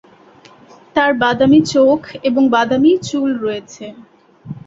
তার বাদামী চোখ, এবং বাদামী চুল রয়েছে।